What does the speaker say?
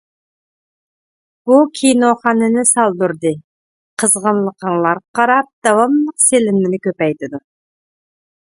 بۇ كىنوخانىنى سالدۇردى، قىزغىنلىقىڭلارغا قاراپ داۋاملىق سېلىنمىنى كۆپەيتىدۇ.